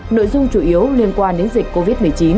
nội dung chủ yếu liên quan đến dịch covid một mươi chín